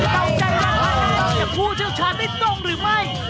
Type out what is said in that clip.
เจ้าใจราคานั้นจะพูดเช่าชัดได้ตรงหรือไม่